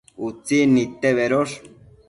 Utsin nidte bedosh